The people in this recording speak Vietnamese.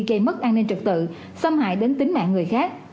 gây mất an ninh trực tự xâm hại đến tính mạng người khác